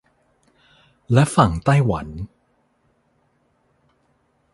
และฝั่งไต้หวัน